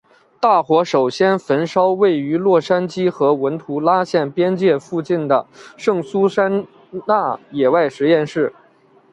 大火首先焚烧位于洛杉矶和文图拉县边界附近的圣苏珊娜野外实验室。